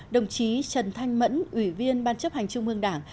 đồng chí trần thanh mẫn ủy viên ban chấp hành trung ương đảng